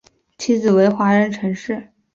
妻子为华人陈氏。